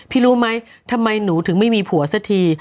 รู้ไหมทำไมหนูถึงไม่มีผัวสักที